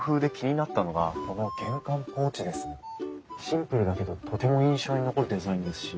シンプルだけどとても印象に残るデザインですし。